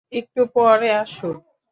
একটু পরে আসুন।